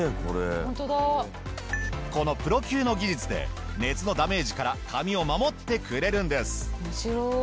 このプロ級の技術で熱のダメージから髪を守ってくれるんです。